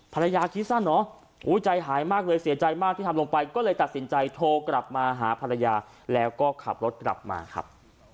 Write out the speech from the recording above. คิดสั้นเนอะใจหายมากเลยเสียใจมากที่ทำลงไปก็เลยตัดสินใจโทรกลับมาหาภรรยาแล้วก็ขับรถกลับมาครับ